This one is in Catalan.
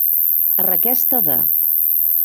A requesta de.